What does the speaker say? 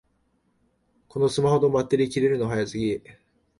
このスマホのバッテリー切れるの早すぎ